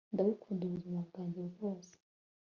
ndagukunda ubuzima bwanjye bwose